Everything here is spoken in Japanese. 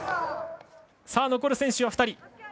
残る選手は２人。